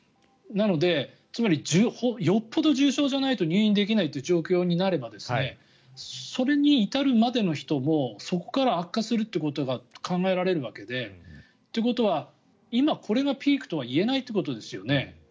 なのでつまりよっぽど重症じゃないと入院できないという状況になればそれに至るまでの人もそこから悪化するということが考えられるわけでということで今、これがピークとは言えないわけですよね。